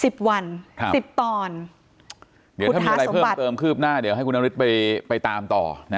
วันครับสิบตอนเดี๋ยวถ้ามีอะไรเพิ่มเติมคืบหน้าเดี๋ยวให้คุณนฤทธิ์ไปไปตามต่อนะ